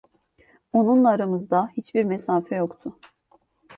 Onunla aramızda hiçbir mesafe yoktur.